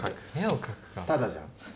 タダじゃん。